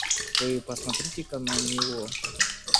Вы посмотрите-ка на него.